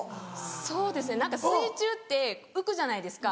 そうですね何か水中って浮くじゃないですか。